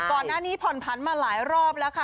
ก่อนหน้านี้ผ่อนผันมาหลายรอบแล้วค่ะ